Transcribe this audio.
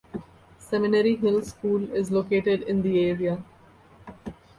Seminary Hill School is located in the area.